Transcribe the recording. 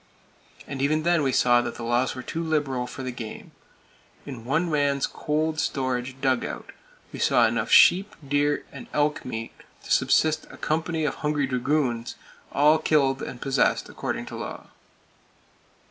And even then we saw that the laws were too liberal for the game. In one man's cold storage dug out we saw enough sheep, deer and elk meat to subsist a company of hungry dragoons, all killed and possessed according to law.